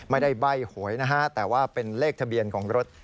ใบ้หวยนะฮะแต่ว่าเป็นเลขทะเบียนของรถ